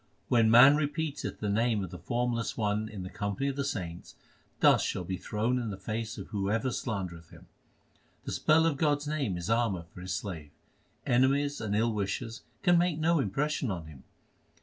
When man repeateth the name of the Formless One in the company of the saints, Dust shall be thrown in the face of whoever slandereth him. The spell of God s name 2 is armour for His slave : Enemies and ill wishers can make no impression on him.